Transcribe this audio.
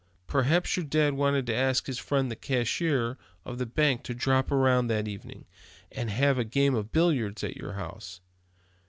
Perhaps your dad wanted to ask his friend the cashier of the bank to drop around that evening, and have a game of billiards at your house.